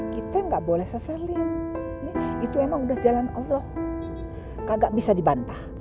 kita nggak boleh seselin itu emang udah jalan allah kagak bisa dibantah